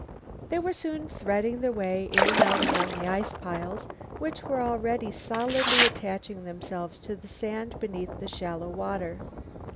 They were soon threading their way in and out among the ice piles which were already solidly attaching themselves to the sand beneath the shallow water.